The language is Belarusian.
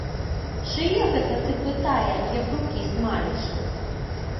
Чые гэта ты, пытае, япрукі смаліш?